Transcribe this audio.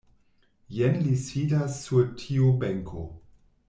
Jen li sidas sur tiu benko.